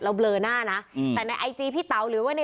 เราเบลอหน้านะแต่ในไอจีพี่เต๋า